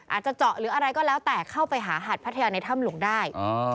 อาจจะเจาะหรืออะไรก็แล้วแต่เข้าไปหาหาดพัทยาในถ้ำหลวงได้